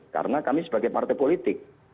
karena kami sebagai partai politik